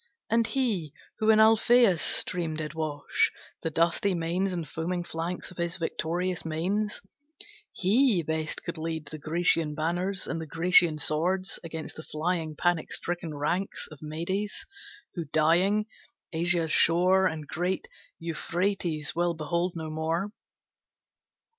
And he, who in Alphēus stream did wash The dusty manes and foaming flanks Of his victorious mares, he best could lead The Grecian banners and the Grecian swords Against the flying, panic stricken ranks Of Medes, who, dying, Asia's shore And great Euphrates will behold no more.